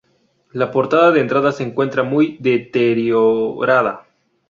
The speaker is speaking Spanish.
La portalada de entrada se encuentra muy deteriorada.